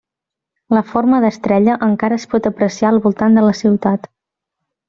La forma d'estrella encara es pot apreciar al voltant de la ciutat.